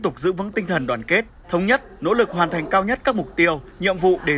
tục giữ vững tinh thần đoàn kết thống nhất nỗ lực hoàn thành cao nhất các mục tiêu nhiệm vụ đề